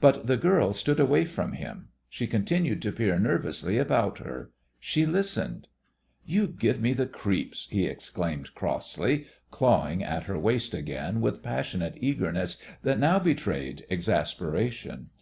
But the girl stood away from him. She continued to peer nervously about her. She listened. "You give me the creeps," he exclaimed crossly, clawing at her waist again with passionate eagerness that now betrayed exasperation.